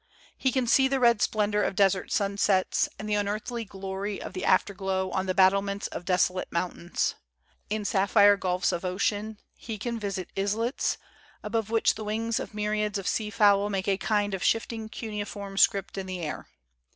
He can see the red splendor of desert sunsets, and the un earthly glory of the afterglow on the battlements of desolate mountains. In sapphire gulfs of ocean he can visit islets, above which the wings of myriads of sea fowl make a kind of shifting cuneiform script in the air.